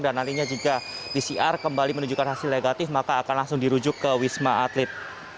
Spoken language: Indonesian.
nantinya jika pcr kembali menunjukkan hasil negatif maka akan langsung dirujuk ke wisma atlet